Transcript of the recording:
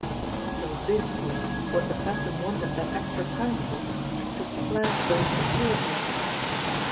So this was what the Phantom wanted that extra time for to plant those securities.